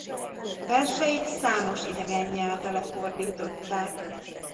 Verseit számos idegen nyelvre lefordították.